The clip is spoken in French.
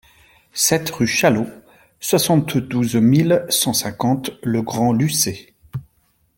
sept rue Chalot, soixante-douze mille cent cinquante Le Grand-Lucé